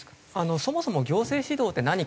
そもそも行政指導って何か？